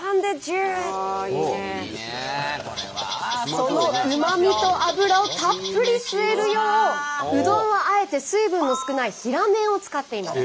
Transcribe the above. そのうまみと脂をたっぷり吸えるよううどんはあえて水分の少ない平麺を使っています。